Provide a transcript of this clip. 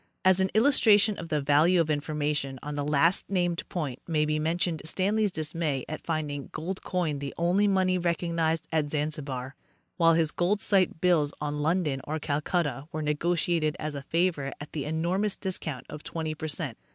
As an illustration of the value of in formation on the last named point may be mentioned Stanley's dismay at finding gold coin the only money recognized at Zan zibar, while his gold sight bills on London or Calcutta were nego tiated as a favor at the enormous discount of twenty percent.